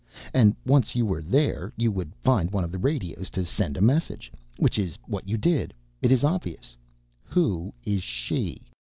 And once you were there you would find one of the radios to send a message. Which is what you did. It is obvious. Who is she?"